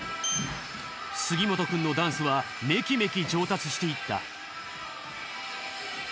杉本くんのダンスはメキメキ上達していった。